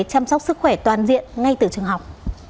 chăm sóc sức khỏe toàn diện ngay từ trường học